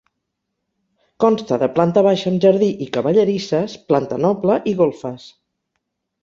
Consta de planta baixa amb jardí i cavallerisses, planta noble i golfes.